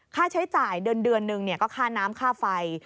ค่าใช้จ่ายเดือนหนึ่งก็ค่าน้ำค่าไฟ